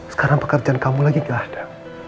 sekarang pekerjaan kamu lagi gak ada